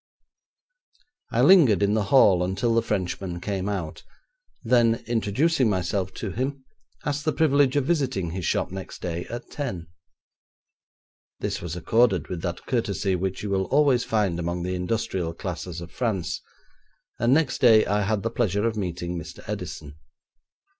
I lingered in the hall until the Frenchman came out, then, introducing myself to him, asked the privilege of visiting his shop next day at ten. This was accorded with that courtesy which you will always find among the industrial classes of France, and next day I had the pleasure of meeting Mr. Edison.